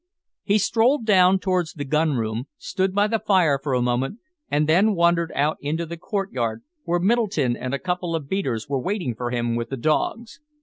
He strolled down towards the gun room, stood by the fire for a moment, and then wandered out into the courtyard, where Middleton and a couple of beaters were waiting for him with the dogs.